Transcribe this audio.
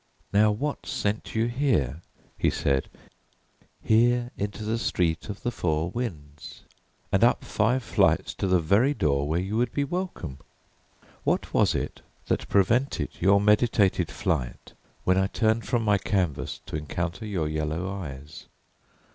"Now, what sent you here," he said "here into the Street of the Four Winds, and up five flights to the very door where you would be welcome? What was it that prevented your meditated flight when I turned from my canvas to encounter your yellow eyes?